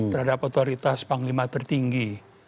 terhadap otoritas panglima tertinggi